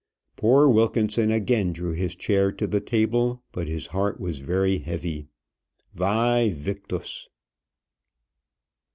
Poor Wilkinson again drew his chair to the table, but his heart was very heavy. Væ victis!